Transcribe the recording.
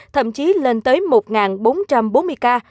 thậm chí lên tới một bốn trăm bốn mươi ca